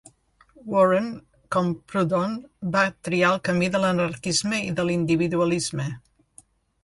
Warren, com Proudhon, va triar el camí de l'anarquisme i de l'individualisme.